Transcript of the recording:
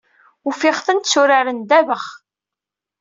Ufiɣ-tent tturarent ddabax.